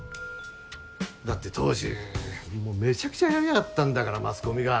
だって当時もうめちゃくちゃやりやがったんだからマスコミが。